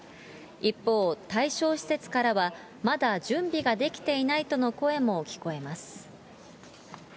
一方、対象施設からは、まだ準備ができていないとの声も聞こえます。